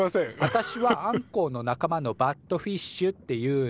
あたしはアンコウの仲間のバットフィッシュっていうの。